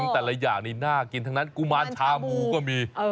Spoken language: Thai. แต่ละอย่างนี้น่ากินทั้งนั้นกุมารชามูก็มี